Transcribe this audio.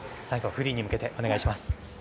最後、フリーに向けてお願いします。